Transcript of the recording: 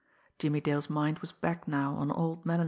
Jimmie Dale's mind was back now on old Melinoff.